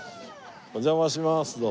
お邪魔します。